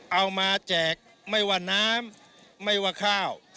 แจกไม่ว่าน้ำไม่ว่าข้าว